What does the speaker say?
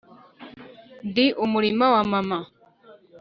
ndi umurima wa mama.